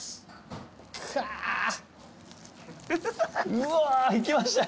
うわーいきましたね。